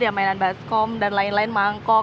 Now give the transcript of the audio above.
dia mainan baskom dan lain lain mangkok